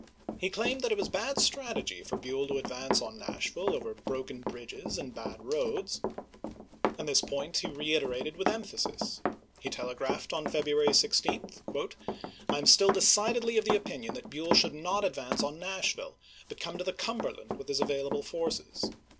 He claimed that it was bad strategy for Buell to advance on Nashville over broken bridges and bad roads, and this point he reiterated with FOKT DONELSON 191 emphasis. He telegraphed on February 16 : "I am chap. xi. still decidedly of the opinion that Buell should not advance on Nashville, but come to the Cumberland with his available forces.